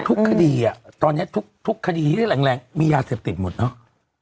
ทุกคดีอ่ะตอนนี้ทุกทุกคดีที่แหล่งแหล่งมียาเสพติดหมดเนาะ